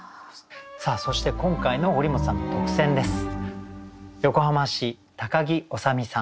さあそして今回の堀本さんの特選です。